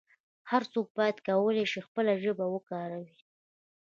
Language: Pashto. هر څوک باید وکولای شي خپله ژبه وکاروي.